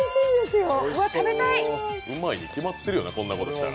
うまいに決まっているよな、こんなことしたら。